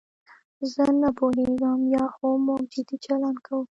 زه نه پوهېږم یا خو موږ جدي چلند کوو.